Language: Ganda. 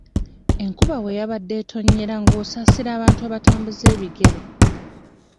Enkuba we yabadde etonnyera ng'osaasira abantu abatambuza ebigere.